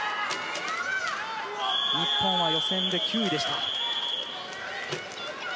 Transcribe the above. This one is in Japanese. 日本は予選で９位でした。